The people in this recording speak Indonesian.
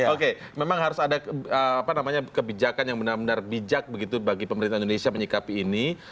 oke memang harus ada kebijakan yang benar benar bijak begitu bagi pemerintah indonesia menyikapi ini